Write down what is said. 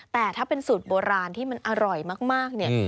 แต่ถ้าเป็นสูตรโบราณที่มันอร่อยมากเนี่ย